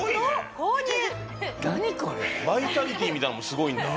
バイタリティーみたいなのもすごいんだ。